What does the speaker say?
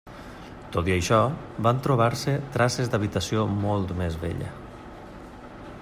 Tot i això, van trobar-se traces d'habitació molt més vella.